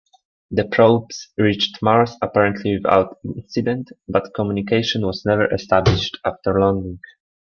The probes reached Mars apparently without incident, but communication was never established after landing.